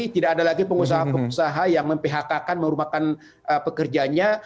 tidak ada lagi pengusaha pengusaha yang memphk kan mengurumkan pekerjaannya